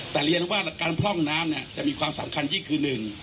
แต่เรียนว่าการพร่องน้ำเนี่ยจะมีความสำคัญยิ่งคือหนึ่ง